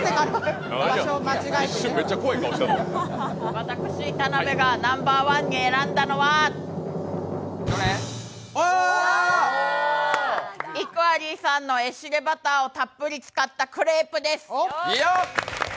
私、田辺がナンバーワンに選んだのはＥＱＵＡＬＬＹさんのエシレバターをたっぷり使ったクレープです。